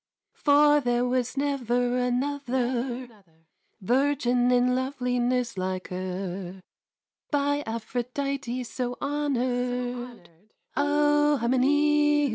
For there was never another Virgin in loveliness like her, By Aphrodite so honored, O Hymenæus!